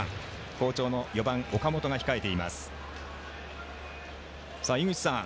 好調の４番、岡本が控えています。